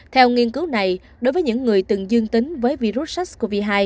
theo nghiên cứu này đối với những người từng dương tính với virus sars cov hai